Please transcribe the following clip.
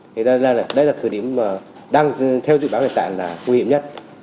thì đây là thời điểm đang theo dự báo hiện tại là nguy hiểm nhất